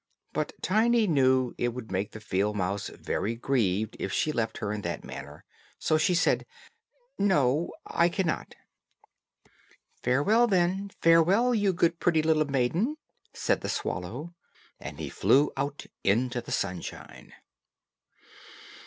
But Tiny knew it would make the field mouse very grieved if she left her in that manner, so she said, "No, I cannot." "Farewell, then, farewell, you good, pretty little maiden," said the swallow; and he flew out into the sunshine.